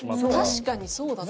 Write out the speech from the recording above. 確かにそうだった。